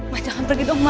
ma jangan pergi dong ma